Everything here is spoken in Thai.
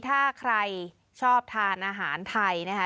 ถ้าใครชอบทานอาหารไทยนะคะ